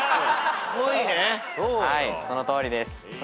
はいそのとおりです。